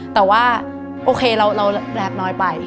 แต่ว่าโอเคเรารักน้อยไป